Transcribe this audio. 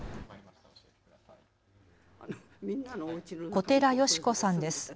小寺淑子さんです。